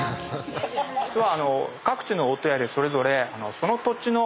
実は。